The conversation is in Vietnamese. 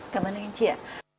cảm ơn anh chị ạ